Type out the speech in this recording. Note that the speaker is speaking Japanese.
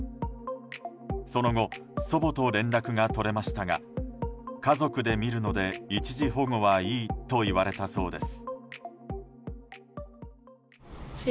その後祖母と連絡が取れましたが家族で見るので一時保護はいいと言われたそうです。